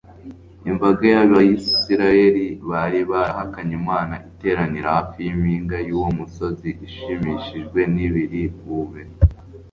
imbaga yAbisirayeli bari barahakanye Imana iteranira hafi yimpinga yuwo musozi ishimishijwe nibiri bube